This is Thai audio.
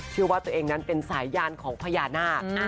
เชื่อว่าตัวเองนั้นเป็นสายยานของพญานาค